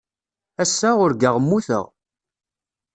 Ass-a, urgaɣ mmuteɣ.